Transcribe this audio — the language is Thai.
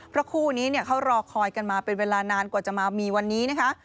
เพราะคู่นี้เขารอคอยกันมาเป็นเวลานานกว่าจะมามีวันนี้นะคะ